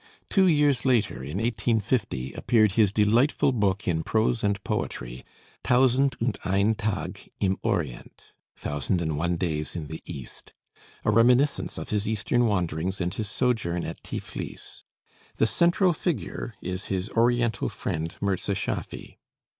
Two years later, in 1850, appeared his delightful book in prose and poetry, 'Tausend und ein Tag im Orient' (Thousand and One Days in the East), a reminiscence of his Eastern wanderings and his sojourn at Tiflis, The central figure is his Oriental friend Mirza Schaffy.